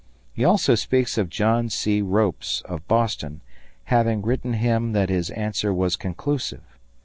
He also speaks of John C. Ropes, of Boston, having written him that his answer was conclusive.